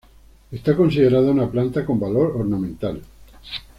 Es considerada una planta con valor ornamental.